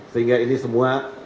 sehingga ini semua di planningnya